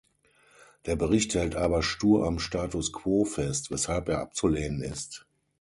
Der Bericht hält aber stur am Status Quo fest, weshalb er abzulehnen ist.